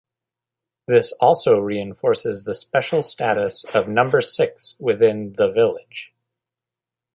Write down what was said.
This also reinforces the special status of Number Six within The Village.